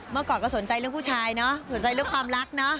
เมื่อก่อนก็สนใจเรื่องผู้ชายเนอะสนใจเรื่องความรักเนอะ